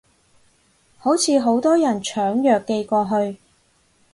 好似好多人搶藥寄過去